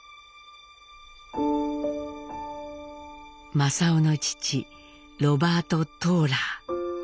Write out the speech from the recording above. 正雄の父ロバート・トーラー。